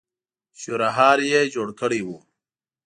شړهار يې جوړ کړی و.